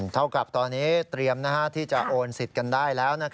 เท่ากับตอนนี้เตรียมที่จะโอนสิทธิ์กันได้แล้ว